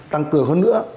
tăng cường hơn nữa